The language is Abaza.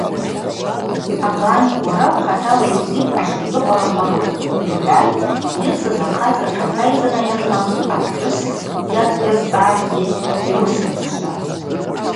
Абан, уара ухъатала йубатӏ ашвындыкъвараква рыхв, – йхӏван йыцыз ахъацӏа тшатайзынайырхахтӏ, апхӏвыс йазцӏгӏазгьи диуысмызшва.